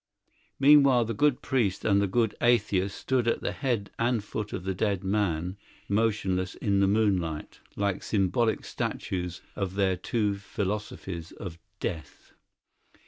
Meanwhile the good priest and the good atheist stood at the head and foot of the dead man motionless in the moonlight, like symbolic statues of their two philosophies of death.